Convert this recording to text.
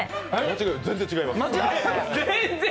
全然違います